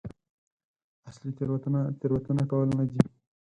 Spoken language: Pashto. اصلي تېروتنه تېروتنه کول نه دي.